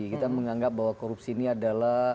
kita menganggap bahwa korupsi ini adalah